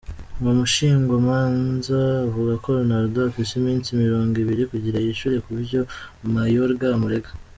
Uwo mushingwamanza avuga ko Ronaldo afise imisi mirongo ibiri kugira yishure kuvyp Mayorga amurega.